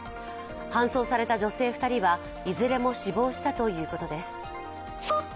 搬送された女性２人はいずれも死亡したということです。